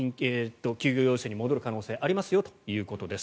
休業要請に戻る可能性はありますよということです。